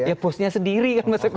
ya karena bosnya sendiri